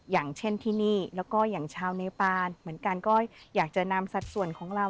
อย่างเช่นที่นี่แล้วก็อย่างชาวเนปานเหมือนกันก็อยากจะนำสัดส่วนของเรา